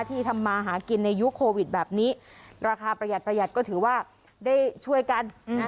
ที่ทำมาหากินในยุคโควิดแบบนี้ราคาประหยัดประหยัดก็ถือว่าได้ช่วยกันนะ